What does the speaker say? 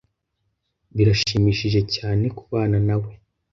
Birashimishije cyane kubana nawe.